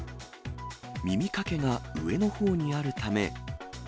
耳かけが上のほうにあるため。